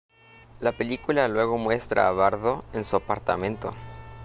La película luego muestra a Bardo en su apartamento.